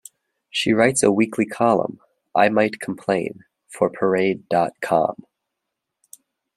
She writes a weekly column, "I Might Complain," for Parade dot com.